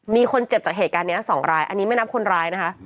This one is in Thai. มีคนเจ็บจากเหตุการณ์นี้๒รายอันนี้ไม่นับคนร้ายนะคะ